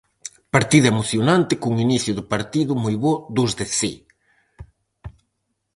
Partido emocionante, cun inicio de partido moi bo dos de Cee.